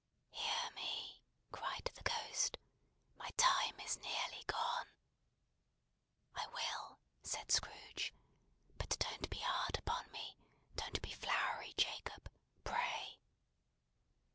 "Hear me!" cried the Ghost. "My time is nearly gone." "I will," said Scrooge. "But don't be hard upon me! Don't be flowery, Jacob! Pray!"